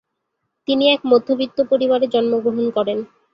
তিনি এক মধ্যবিত্ত পরিবারে জন্মগ্রহণ করেন।